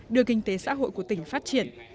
đưa kinh tế xã hội của tỉnh phát triển